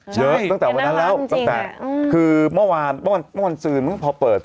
ใช่ตั้งแต่วันนั้นแล้วตั้งแต่คือเมื่อวานวันซื้อเมื่อพอเปิด